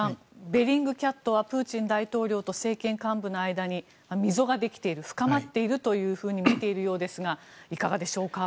ベリングキャットはプーチン大統領と政権幹部の間に溝ができている、深まっていると見ているようですがいかがでしょうか。